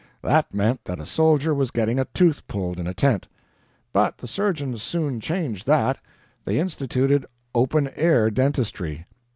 That meant that a soldier was getting a tooth pulled in a tent. But the surgeons soon changed that; they instituted open air dentistry.